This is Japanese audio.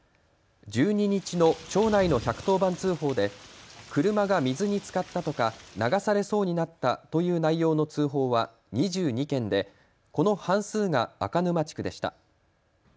１２日の町内の１１０番通報で車が水につかったとか流されそうになったという内容の通報は２２件でこの半数が赤沼地区でした。